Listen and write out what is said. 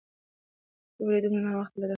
ته ولې دومره ناوخته له دفتره کور ته راغلې؟